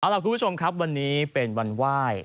เอาล่ะคุณผู้ชมครับวันนี้เป็นวันไหว้